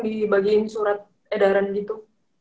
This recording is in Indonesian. dibagiin surat edaran gitu